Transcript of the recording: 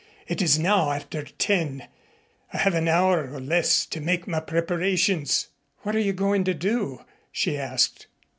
It is now after ten. I have an hour or less to make my preparations." "What are you going to do?" she asked.